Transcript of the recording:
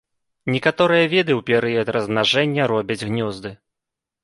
Некаторыя віды ў перыяд размнажэння робяць гнёзды.